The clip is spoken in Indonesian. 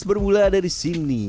bermula dari sini